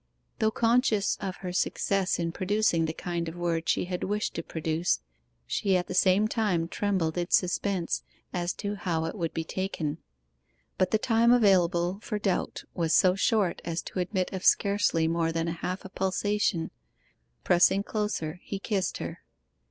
Though conscious of her success in producing the kind of word she had wished to produce, she at the same time trembled in suspense as to how it would be taken. But the time available for doubt was so short as to admit of scarcely more than half a pulsation: pressing closer he kissed her.